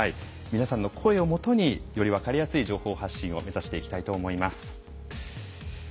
皆さんの声をもとにいろいろ分かりやすい情報を発信していきたいと思います。